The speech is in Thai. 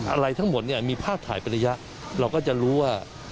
อะไรทั้งหมดเนี่ยมีภาพถ่ายเป็นระยะเราก็จะรู้ว่า